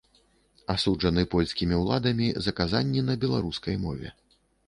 Асуджаны польскімі ўладамі за казанні на беларускай мове.